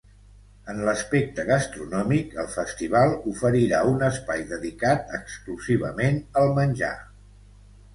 En l’aspecte gastronòmic, el festival oferirà un espai dedicat exclusivament al menjar.